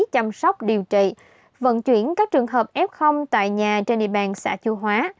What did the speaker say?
chăm sóc điều trị vận chuyển các trường hợp f tại nhà trên địa bàn xã chu hóa